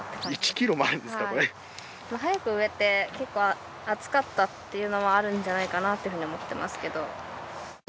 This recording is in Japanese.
早く植えて結構暑かったっていうのもあるんじゃないかなというふうに思ってますけど。